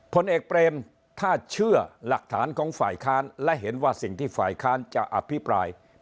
ผลเอกเปรมถ้าเชื่อหลักฐานของฝ่ายค้านและเห็นว่าสิ่งที่ฝ่ายค้านจะอภิปราย